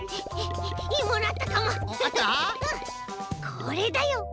これだよ。